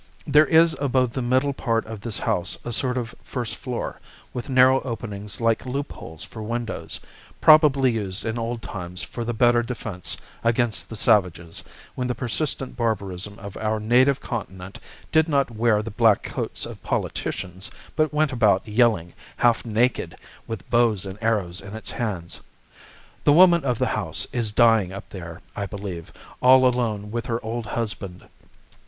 There is above the middle part of this house a sort of first floor, with narrow openings like loopholes for windows, probably used in old times for the better defence against the savages, when the persistent barbarism of our native continent did not wear the black coats of politicians, but went about yelling, half naked, with bows and arrows in its hands. The woman of the house is dying up there, I believe, all alone with her old husband.